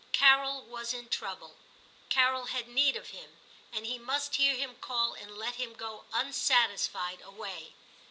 Carol was in trouble ; Carol had need of him, and he must hear him call and let him go unsatisfied away.